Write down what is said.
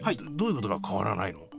どういうことが変わらないの？